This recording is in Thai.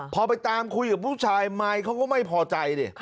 พอไปตามคุยกับผู้ชายมายเขาก็ไม่พอใจดิ